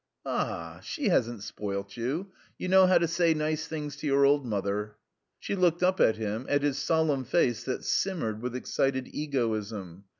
"Ah, she hasn't spoilt you. You know how to say nice things to your old mother." She looked up at him, at his solemn face that simmered with excited egoism.